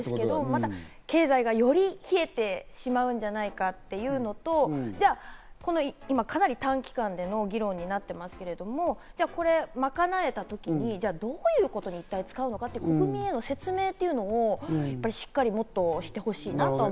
経済がより冷えてしまうんじゃないかっていうのと、今かなり短期間での議論になってますけど、じゃあこれ、まかなえた時にどういうことに一体使うのか、国民への説明というのをしっかりもっとしてほしいなと思う。